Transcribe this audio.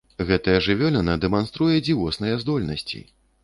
Гэтая жывёліна дэманструе дзівосныя здольнасці.